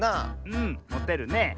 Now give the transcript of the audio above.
うんもてるね。